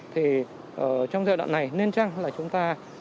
trong giai đoạn này nên chăng là chúng ta